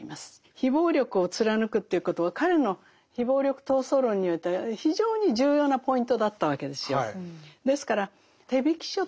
非暴力を貫くということは彼の非暴力闘争論においては非常に重要なポイントだったわけですよ。